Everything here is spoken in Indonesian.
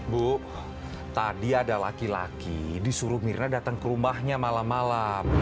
bu tadi ada laki laki disuruh mirna datang ke rumahnya malam malam